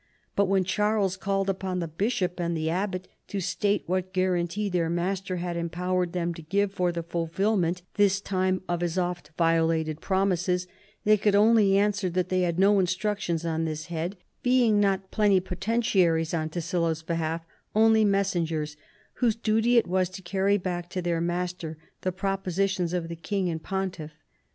But when Charles called upon the bishop and the abbot to state what guarantee their master had empowered them to give for the fulfilment, this time, of his often violated promises, they could only answer that they had no instructions on this head, being not plenipotentiaries on Tassilo's behalf, only messengers whose duty it was to carry back to their master the propositions of the king and pontiff.